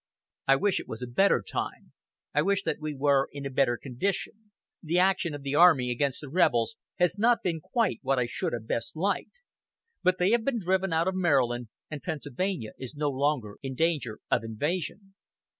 I wish it was a better time. I wish that we were in a better condition. The action of the army against the rebels has not been quite what I should have best liked. But they have been driven out of Maryland, and Pennsylvania is no longer in danger of invasion.